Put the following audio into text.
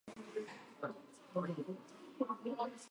トマトケチャップ